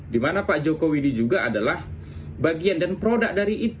dimana pak jokowi ini juga adalah bagian dan produk